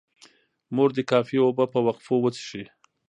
مور دې کافي اوبه په وقفو وڅښي.